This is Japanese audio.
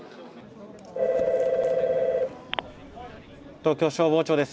☎東京消防庁です。